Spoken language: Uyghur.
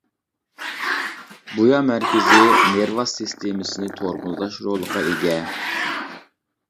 بۇيا مەركىزىي نېرۋا سىستېمىسىنى تورمۇزلاش رولىغا ئىگە.